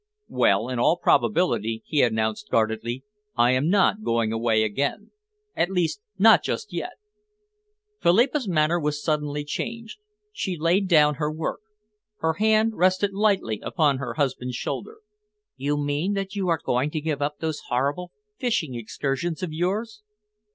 "Well, in all probability," he announced guardedly, "I am not going away again at least not just yet." Philippa's manner suddenly changed. She laid down her work. Her hand rested lightly upon her husband's shoulder. "You mean that you are going to give up those horrible fishing excursions of yours?"